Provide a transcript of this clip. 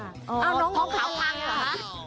ต้องเผางหรอ